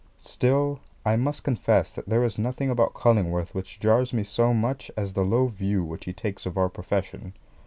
Still I must confess that there is nothing about Cullingworth which jars me so much as the low view which he takes of our profession.